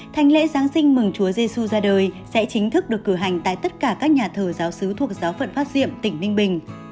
thanh lễ giáng sinh mừng chúa giê xu ra đời sẽ chính thức được cử hành tại tất cả các nhà thờ giáo sứ thuộc giáo phận pháp diệm tỉnh ninh bình